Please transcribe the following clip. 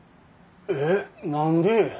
えっ何で？